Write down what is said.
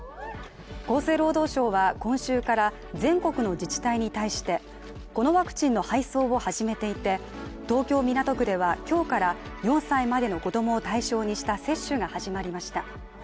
厚生労働省は今週から全国の自治体に対してこのワクチンの配送を始めていて東京・港区では今日から４歳までの子供を対象にした接種が始まりました。